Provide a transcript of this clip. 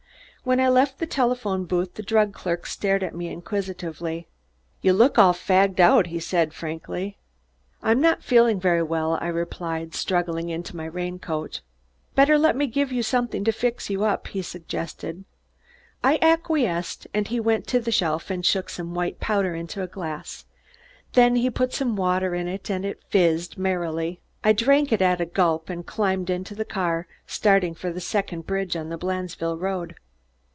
When I left the telephone booth the drug clerk stared at me inquisitively. "You look all fagged out," he said frankly. "I'm not feeling very well," I replied, struggling into my rain coat. "Better let me give you somethin' to fix you up," he suggested. I acquiesced, and he went to the shelf and shook some white powder into a glass. Then he put some water with it and it phizzed merrily. I drank it at a gulp and, climbing into the car, started for the second bridge on the Blandesville Road.